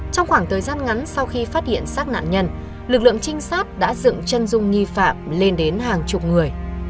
trong khoảng thời gian ngắn sau khi phát hiện sát nạn nhân lực lượng trinh sát đã dựng chân dung nghi phạm lên đến hàng chục người